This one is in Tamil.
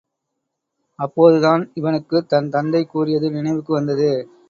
அப்போதுதான், இவனுக்குத் தன் தந்தை கூறியது நினைவுக்கு வந்தது.